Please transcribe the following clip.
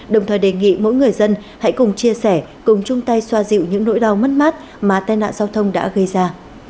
đồng thời đề nghị mỗi người dân hãy cùng chia sẻ cùng chung tay xoa dịu những nỗi đau mất mát mà tai nạn giao thông đã gây ra